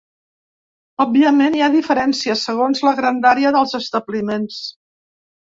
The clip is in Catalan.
Òbviament, hi ha diferències, segons la grandària dels establiments.